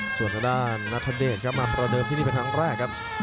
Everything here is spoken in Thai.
ส่วนทางด้านนัทเดชครับมาประเดิมที่นี่เป็นครั้งแรกครับ